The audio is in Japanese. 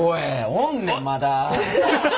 おんねんまだ。